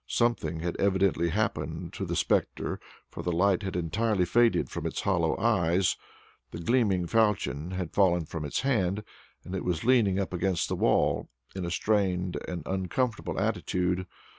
Something had evidently happened to the specter, for the light had entirely faded from its hollow eyes, the gleaming falchion had fallen from its hand, and it was leaning up against the wall in a strained and uncomfortable attitude.